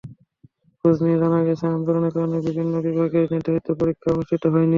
খোঁজ নিয়ে জানা গেছে, আন্দোলনের কারণে বিভিন্ন বিভাগের নির্ধারিত পরীক্ষা অনুষ্ঠিত হয়নি।